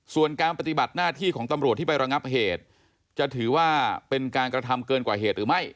ส่วนการปฏิบัติหน้าที่ของตำรวจที่ไประงับเหตุจะถือว่าเป็นการกระทำเกินกว่าเหตุหรือไม่